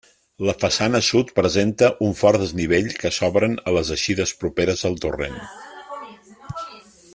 La façana sud presenta un fort desnivell que s'obren a les eixides properes al torrent.